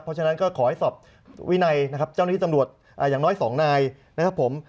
เพราะฉะนั้นก็ขอให้สอบวินัยนะครับเจ้าหน้าที่ตำรวจอย่างน้อย๒นายนะครับผม